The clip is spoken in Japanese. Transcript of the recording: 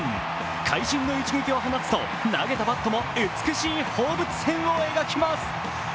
会心の一撃を放つと投げたバットも美しい放物線を描きます。